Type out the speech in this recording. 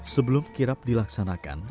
sebelum kirap dilaksanakan